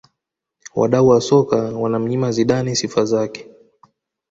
Wadau wa soka wanamnyima Zidane sifa zake